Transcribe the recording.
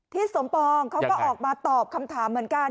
สมปองเขาก็ออกมาตอบคำถามเหมือนกัน